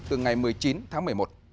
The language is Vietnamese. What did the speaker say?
từ ngày một mươi chín tháng một mươi một